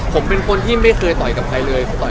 ผมเป็นคนที่ไม่เคยต่อยกับใครเลย